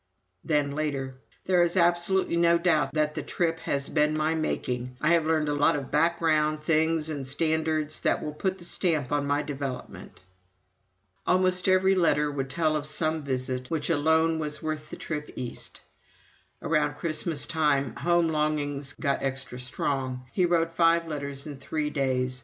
Then, later: "There is absolutely no doubt that the trip has been my making. I have learned a lot of background, things, and standards, that will put their stamp on my development." Almost every letter would tell of some one visit which "alone was worth the trip East." Around Christmastime home longings got extra strong he wrote five letters in three days.